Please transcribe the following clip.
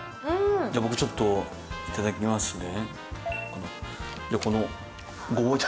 じゃあ、僕ちょっといただきますね